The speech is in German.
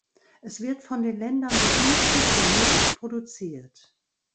Es wird von den Ländern so günstig wie möglich produziert.